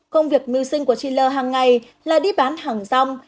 công việc mưu sinh của chị lơ hàng ngày là đi bán hàng rong